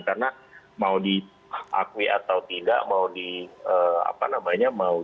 karena mau diakui atau tidak mau diaminin atau tidak gitu